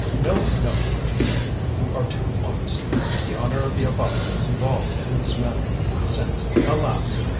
"No, no," she said, "you are too honest. The honour of the Abati is involved in this manner, since, alas!